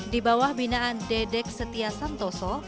di bawah binaan dedek setia santoso